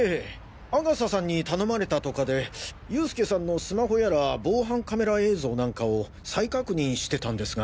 阿笠さんに頼まれたとかで佑助さんのスマホやら防犯カメラ映像なんかを再確認してたんですが。